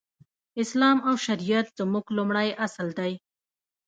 اسلام او شريعت زموږ لومړی اصل دی.